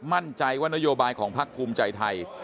มั่นใจว่านโยบายของพักภูมิใจไทย